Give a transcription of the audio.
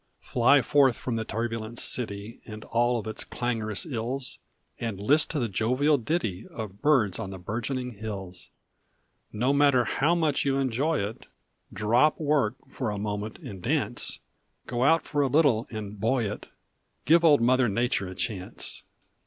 Fly forth from the turbulent city And all of its clangorous ills, And list to the jovial ditty Of birds on the burgeoning hills. No matter how much you enjoy it, Drop work for a moment and dance; Go out for a little and " boy " it Give old Mother Nature a chance.